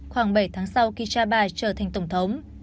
khoảng bảy tháng sau khi cha bà trở thành tổng thống